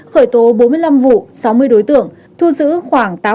khởi tố bốn mươi năm vụ sáu mươi đối tượng thu giữ khoảng tám năm triệu